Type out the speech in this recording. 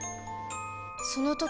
その時